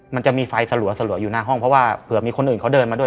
มันจะมีไฟสลัวอยู่หน้าห้องเพราะว่าเผื่อมีคนอื่นเขาเดินมาด้วย